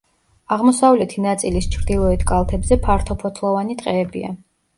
აღმოსავლეთი ნაწილის ჩრდილოეთ კალთებზე ფართოფოთლოვანი ტყეებია.